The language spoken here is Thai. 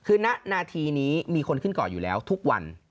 คือณนาทีนี้มีคนขึ้นเกาะอยู่แล้วทุกวัน